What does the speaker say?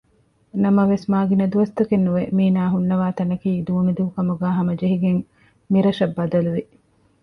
ނަމަވެސް މާގިނަދުވަސްތަކެއް ނުވެ މީނާ ހުންނަވާ ތަނަކީ ދޫނިދޫކަމުގައި ހަމަޖެހިގެން މިރަށަށް ބަދަލުވި